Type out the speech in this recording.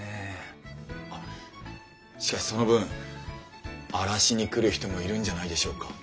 あっしかしその分荒らしに来る人もいるんじゃないでしょうか？